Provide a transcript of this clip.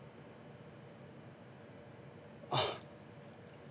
あっ。